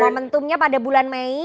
momentumnya pada bulan mei